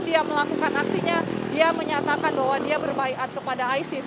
dia melakukan aksinya dia menyatakan bahwa dia berbaikat kepada isis